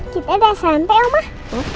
kita udah sampai omah